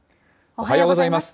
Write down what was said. おはようございます。